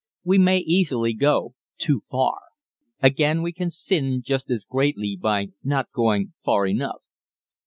We may easily go too far. Again, we can sin just as greatly by not going far enough.